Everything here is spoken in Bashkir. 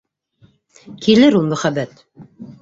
Килер ул мөхәббәт!